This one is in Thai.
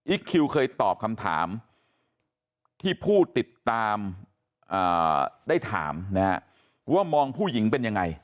คิวเคยตอบคำถามที่ผู้ติดตามได้ถามว่ามองผู้หญิงเป็นยังไง